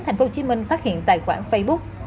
tp hcm phát hiện tài khoản facebook